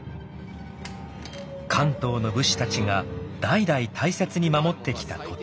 関東の武士たちが代々大切に守ってきた土地。